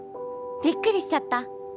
びっくりしちゃった！」。